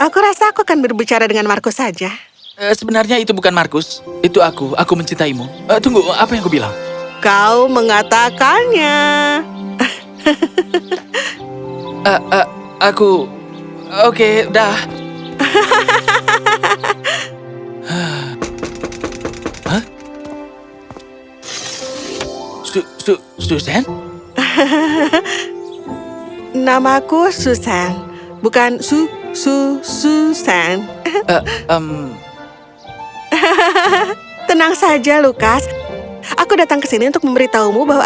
kerajaan yang sangat jauh